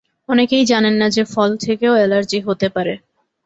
অনেকেই জানেন না যে ফল থেকেও অ্যালার্জি হতে পারে।